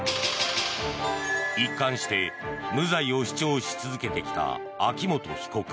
一貫して無罪を主張し続けてきた秋元被告。